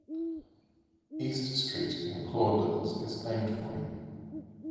East Street in Claudelands is named for him.